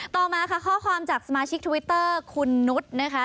ต่อมาค่ะข้อความจากสมาชิกทวิตเตอร์คุณนุษย์นะคะ